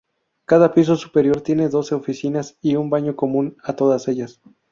Cada piso superior tiene doce oficinas y un baño común a todas ellas.